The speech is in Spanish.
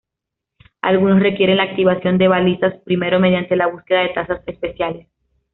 Algunos requieren la activación de balizas primero mediante la búsqueda de tazas especiales.